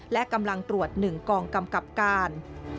และกำลังตรวจ๑กองกำกับการ